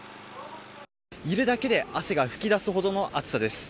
いるだけで汗が噴き出すほどの暑さです。